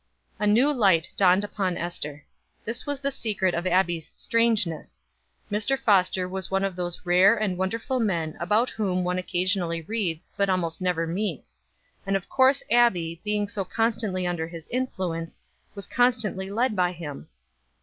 A new light dawned upon Ester. This was the secret of Abbie's "strangeness." Mr. Foster was one of those rare and wonderful men about whom one occasionally reads but almost never meets, and of course Abbie, being so constantly under his influence, was constantly led by him.